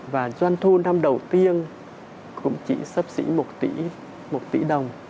và doanh thu năm đầu tiên cũng chỉ sắp xỉ một tỷ một tỷ đồng